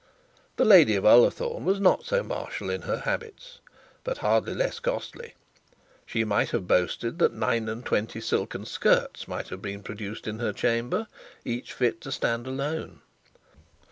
The lady of Ullathorne was not so martial in her habits, but hardly less costly. She might have boasted that nine and twenty silken shirts might have been produced in her chamber, each fit to stand alone.